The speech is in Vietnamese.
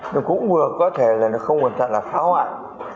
cũng vừa có thể là nó không hoàn toàn là phá hoại